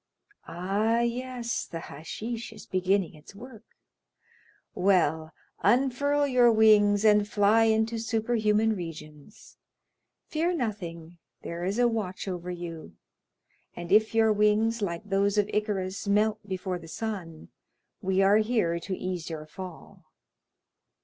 "Ah, yes, the hashish is beginning its work. Well, unfurl your wings, and fly into superhuman regions; fear nothing, there is a watch over you; and if your wings, like those of Icarus, melt before the sun, we are here to ease your fall."